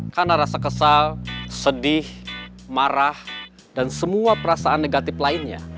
karena rasa kesal sedih marah dan semua perasaan negatif lainnya